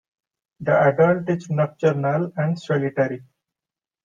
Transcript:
The adult is nocturnal and solitary.